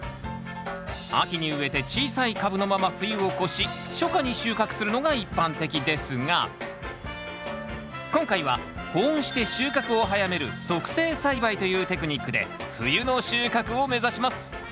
秋に植えて小さい株のまま冬を越し初夏に収穫するのが一般的ですが今回は保温して収穫を早める促成栽培というテクニックで冬の収穫を目指します。